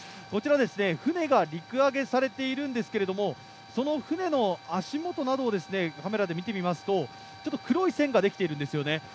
こちら船が陸揚げされているんですけれども、その船の足元などをカメラで見てみますと黒い線ができているんですよね。